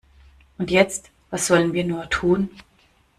Und jetzt, was sollen wir nur tun?